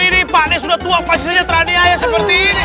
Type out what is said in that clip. ini pak sudah tua pasti teraniaya seperti ini